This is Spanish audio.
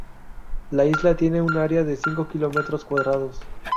La isla tiene un área de cinco kilómetros cuadrados.